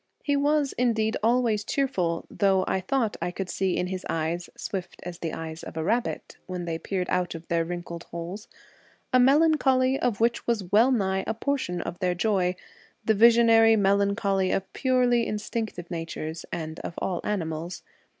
He was indeed always cheerful, though I thought I could see in his eyes (swift as the eyes of a rabbit, when they peered out of their wrinkled holes) a melancholy which was well nigh a portion of their joy ; the visionary melancholy of purely instinctive natures and of all animals.